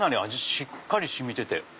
しっかり染みてて。